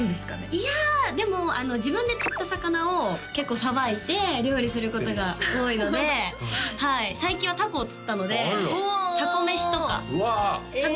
いやでも自分で釣った魚を結構さばいて料理することが多いので最近はタコを釣ったのでタコ飯とかわあ！